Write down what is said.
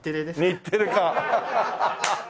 日テレか。